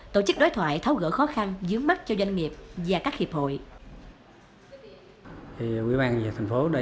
tổ chức đối thoại tháo gỡ khó khăn dướng mắt cho doanh nghiệp và các hiệp hội